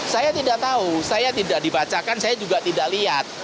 saya tidak tahu saya tidak dibacakan saya juga tidak lihat